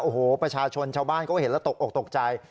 โอ้โหประชาชนชาวบ้านเขาเห็นแล้วตกออกตกใจ